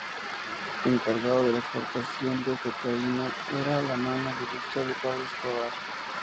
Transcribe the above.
Encargado de la exportación de cocaína, era la mano derecha de Pablo Escobar.